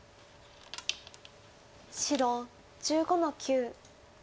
白１５の九。